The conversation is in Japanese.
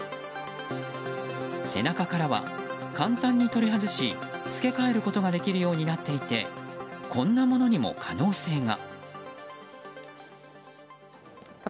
背中からは、簡単に取り外し付け替えることができるようになっていてこんなものにも可能性が。